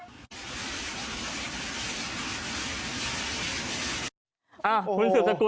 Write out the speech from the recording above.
ท่านจะได้รู้นะครับยินดีนะครับ